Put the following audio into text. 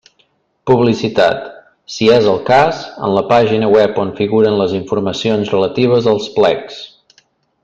Publicitat: si és el cas, en la pàgina web on figuren les informacions relatives als plecs.